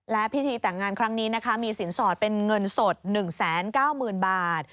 และพิธีแต่งงานครั้งนี้นะคะมีสินสอดเป็นเงินสด๑๙๐๐๐บาท